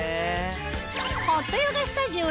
ホットヨガスタジオＬＡＶＡ